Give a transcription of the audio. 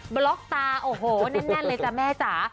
บล็อกตาโอ้โหแน่นเลยจ้ะแม่จ๋า